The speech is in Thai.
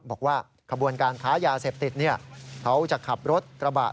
บอกว่าขบวนการค้ายาเสพติดเขาจะขับรถกระบะ